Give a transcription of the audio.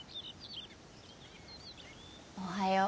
おはよう。